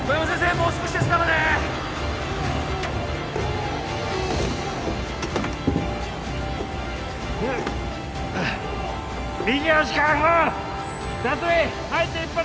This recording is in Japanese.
もう少しですからね右足解放！